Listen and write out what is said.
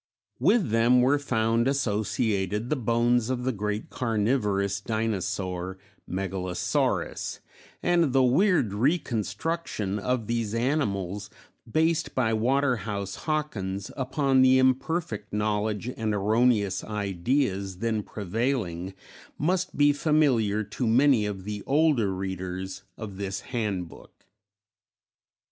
With them were found associated the bones of the great carnivorous dinosaur Megalosaurus; and the weird reconstructions of these animals, based by Waterhouse Hawkins upon the imperfect knowledge and erroneous ideas then prevailing, must be familiar to many of the older readers of this handbook.